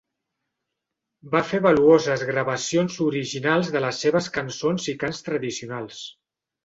Va fer valuoses gravacions originals de les seves cançons i cants tradicionals.